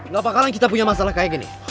gak bakalan kita punya masalah kayak gini